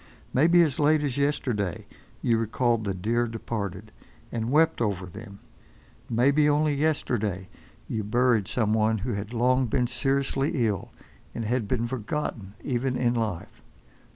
Maybe as late as yesterday you recalled the dear departed, and wept over them. Maybe only yesterday you buried some one who had long been seriously ill, and had been forgotten even in life.